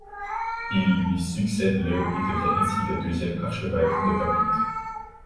Il lui succède le et devient ainsi le deuxième archevêque de Papeete.